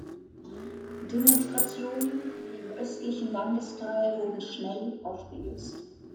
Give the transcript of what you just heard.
Demonstrationen wie im östlichen Landesteil wurden schnell aufgelöst.